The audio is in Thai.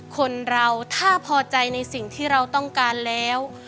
คนเราถ้าพอใจในสิ่งที่เราต้องการแล้ว